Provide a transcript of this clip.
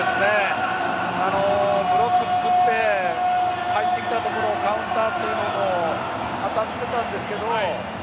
ブロック作って入ってきたところカウンターというのも当たっていたんですけど